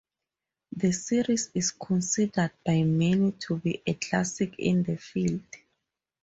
The series is considered by many to be a classic in the field.